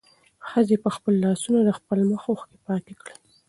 ښځې په خپلو لاسو د خپل مخ اوښکې پاکې کړې.